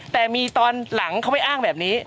แต่มีตอนหลังเขาไม่อ้างแบบนี้